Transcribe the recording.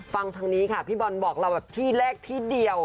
ฟังทางนี้ค่ะพี่บอลบอกเราแบบที่เลขที่เดียว